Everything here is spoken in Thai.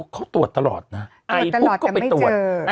เขาตรวจตลอดนะไอ้ปุ๊บก็ไปตรวจตรวจตลอดแล้วไม่เจอ